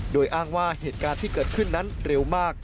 โดยอ้างว่าเหตุการณ์ที่เกิดขึ้นนั้นเร็วมาก